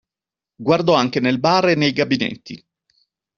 Guardò anche nel bar e nei gabinetti.